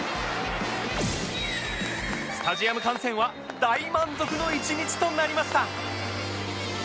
スタジアム観戦は大満足の一日となりました